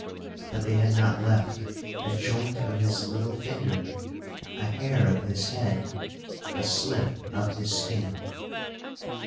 But they had not left a joint of his little finger—a hair of his head—a slip of his skin.